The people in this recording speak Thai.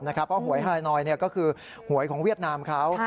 เพราะหวยไฮนอยก็คือหวยของเวียดนามเขา